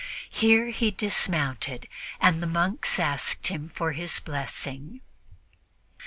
Here he dismounted, and the monks asked him for his blessing.